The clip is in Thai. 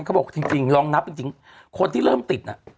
เขาบอกจริงลองนับจริงคนที่เริ่มติดน่ะ